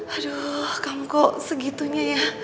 aduh kamu kok segitunya ya